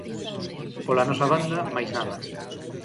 Pola nosa banda, máis nada.